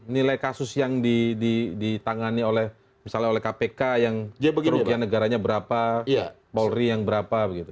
nilai kasus yang ditangani oleh misalnya oleh kpk yang kerugian negaranya berapa polri yang berapa begitu